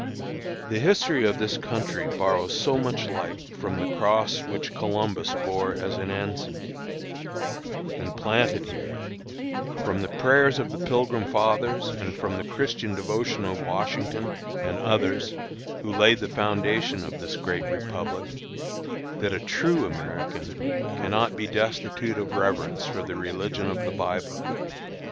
The history of this country borrows so much light from the cross which Columbus bore as an ensign, and planted here, from the prayers of the Pilgrim Fathers, and from the Christian devotion of Washington and others who laid the foundation of this great Republic, that a true American cannot be destitute of reverence for the religion of the Bible.